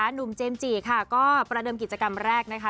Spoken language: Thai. หนุ่มเจมส์จีค่ะก็ประเดิมกิจกรรมแรกนะคะ